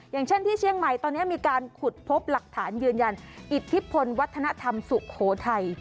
อย่างเช่นที่เชียงใหม่ตอนนี้มีการขุดพบหลักฐานยืนยันอิทธิพลวัฒนธรรมสุโขทัย